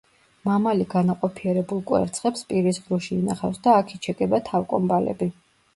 მამალი განაყოფიერებულ კვერცხებს პირის ღრუში ინახავს და აქ იჩეკება თავკომბალები.